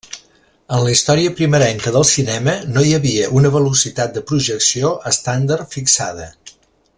En la història primerenca del cinema no hi havia una velocitat de projecció estàndard fixada.